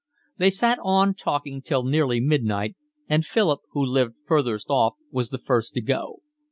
They sat on talking till nearly midnight, and Philip, who lived furthest off, was the first to go.